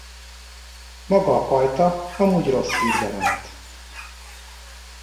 Maga a pajta amúgy rossz hírben állt.